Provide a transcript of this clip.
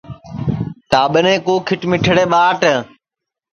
ٹاٻریں کُو کھیٹ میٹڑے ٻاٹ